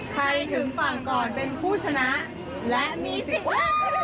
ถึงฝั่งก่อนเป็นผู้ชนะและมีสิทธิ์เลือก